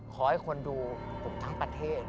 ขอให้คนดูผมทั้งประเทศ